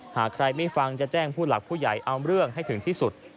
หากใครไม่ฟังจะแจ้งผู้หลักผู้ใหญ่เอาเรื่องให้ถึงที่สุด